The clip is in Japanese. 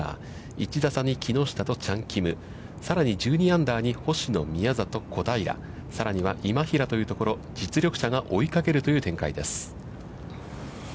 １打差に木下とチャン・キムさらに１２アンダーに星野、宮里、小平、さらには今平というところ実力者が追いかけるという展開です。